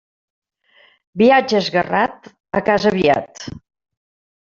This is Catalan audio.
Viatge esguerrat, a casa aviat.